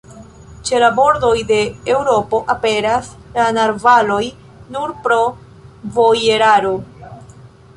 Ĉe la bordoj de Eŭropo aperas la narvaloj nur pro vojeraro.